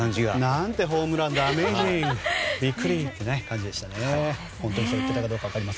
何てホームランだアメージング、ビックリ！って感じでしたね。